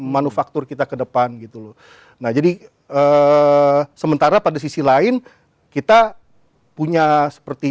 manufaktur kita ke depan gitu loh nah jadi sementara pada sisi lain kita punya seperti